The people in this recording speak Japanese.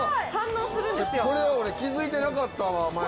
これは俺気付いてなかったわ。